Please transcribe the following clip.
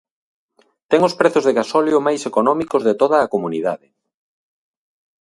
Ten os prezos de gasóleo máis económicos de toda a comunidade.